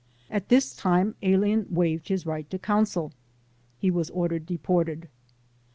At this time alien waived his right to counsel. He ivas or dered deported.